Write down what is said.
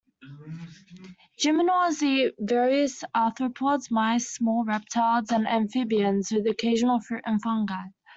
Gymnures eat various arthropods, mice, small reptiles and amphibians, with occasional fruit and fungi.